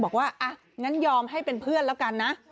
บอกว่าอ่ะงั้นยอมให้เป็นเพื่อนแล้วกันนะ